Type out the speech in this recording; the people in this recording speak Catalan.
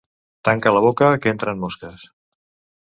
Tanca la boca, que entren mosques!